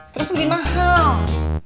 terus lebih mahal